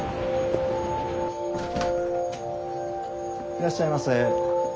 いらっしゃいませ。